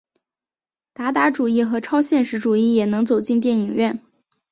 达达主义和超现实主义也能走进电影院。